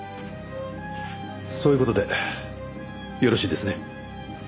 そういう事でよろしいですね？